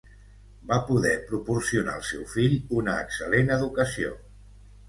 Va poder proporcionar al seu fill una excel·lent educació.